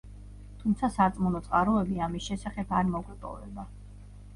თუმცა სარწმუნო წყაროები ამის შესახებ არ მოგვეპოვება.